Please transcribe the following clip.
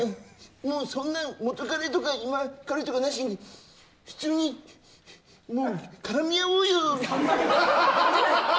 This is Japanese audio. そんな元カレとか今カレとかなしに普通にからみあおうよ。